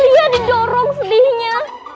iya didorong sedihnya